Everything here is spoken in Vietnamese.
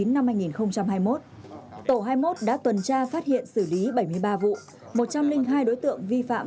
năm hai nghìn hai mươi một tổ hai mươi một đã tuần tra phát hiện xử lý bảy mươi ba vụ một trăm linh hai đối tượng vi phạm